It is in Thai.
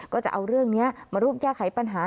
ก็จะเอาเรื่องนี้มาร่วมแก้ไขปัญหา